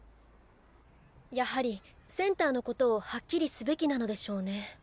やはりセンターのことをはっきりすべきなのでしょうね。